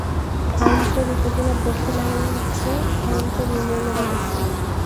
হাইমচর উপজেলার দক্ষিণাংশে হাইমচর ইউনিয়নের অবস্থান।